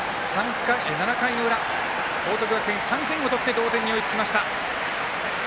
７回の裏、報徳学園３点を取って同点に追いつきました。